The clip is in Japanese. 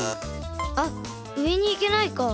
あっうえにいけないか。